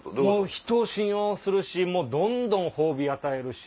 人を信用するしもうどんどん褒美与えるし。